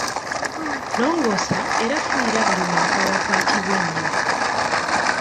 Longoosa era fuuyira buli wantu awakwatibwa ennyo.